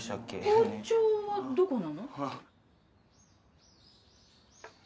包丁はどこなの？